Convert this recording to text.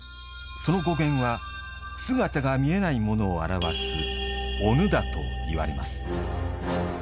その語源は姿が見えないものを表す「隠」だといわれます。